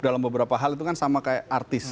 dalam beberapa hal itu kan sama kayak artis